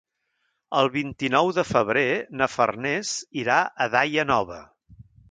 El vint-i-nou de febrer na Farners irà a Daia Nova.